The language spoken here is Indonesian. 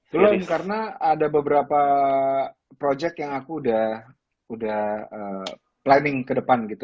belum karena ada beberapa project yang aku udah planning ke depan gitu